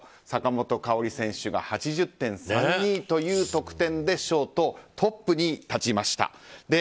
坂本花織選手が８０．３２という得点でショートトップに立ちました。